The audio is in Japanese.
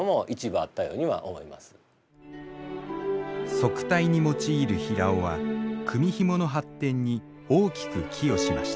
束帯に用いる平緒は組みひもの発展に大きく寄与しました。